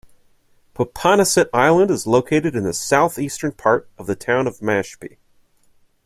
Popponesset Island is located in the southeastern part of the town of Mashpee.